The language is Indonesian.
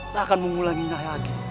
tak akan mengulangi inah lagi